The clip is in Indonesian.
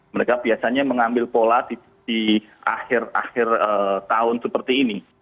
mereka biasanya mengambil pola di akhir akhir tahun seperti ini